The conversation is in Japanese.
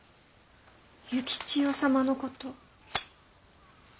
幸千代様のこと。